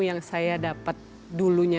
yang saya dapat dulunya